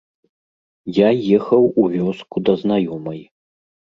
Я ехаў у вёску да знаёмай.